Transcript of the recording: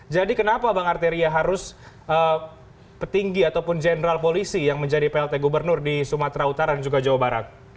jadi kenapa bang arteria harus petinggi ataupun general polisi yang menjadi plt gubernur di sumatera utara dan juga jawa barat